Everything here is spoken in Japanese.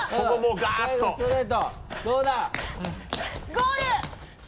ゴール！